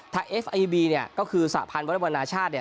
ถ้าเอฟไอบีเนี่ยก็คือสหพันธุ์วรรดิบอลนาชาติ